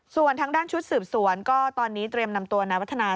ส่วนทางด้านชุดสืบสวนก็ตอนนี้เตรียมนำตัวนายวัฒนา